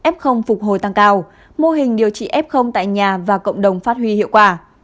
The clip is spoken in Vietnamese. f phục hồi tăng cao mô hình điều trị f tại nhà và cộng đồng phát huy hiệu quả